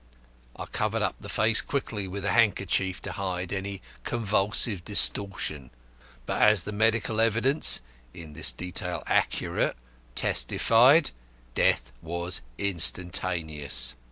I covered up the face quickly with a handkerchief to hide any convulsive distortion. But as the medical evidence (in this detail accurate) testified, death was instantaneous.